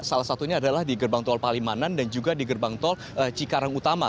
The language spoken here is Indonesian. salah satunya adalah di gerbang tol palimanan dan juga di gerbang tol cikarang utama